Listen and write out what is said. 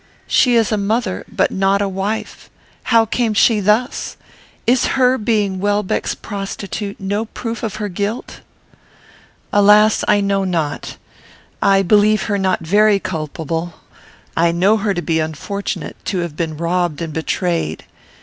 She is a mother, but not a wife. How came she thus? Is her being Welbeck's prostitute no proof of her guilt?" "Alas! I know not. I believe her not very culpable; I know her to be unfortunate; to have been robbed and betrayed.